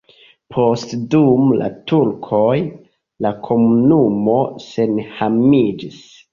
Poste dum la turkoj la komunumo senhomiĝis.